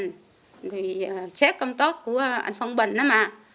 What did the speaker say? thì xét công tốt của anh phân bình đó mà